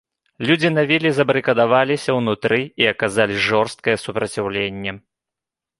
Людзі на віле забарыкадаваліся ўнутры і аказалі жорсткае супраціўленне.